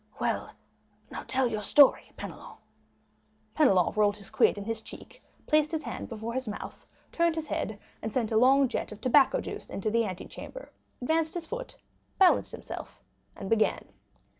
"Well, now tell your story, Penelon." 20039m Penelon rolled his quid in his cheek, placed his hand before his mouth, turned his head, and sent a long jet of tobacco juice into the antechamber, advanced his foot, balanced himself, and began.